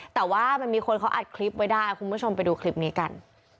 แต่ว่ามันมีคนเขาอัดคลิปไว้ได้คุณผู้ชมไปดูคลิปนี้กัน